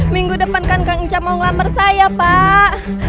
minggu depan kan kak nga mau ngelamar saya pak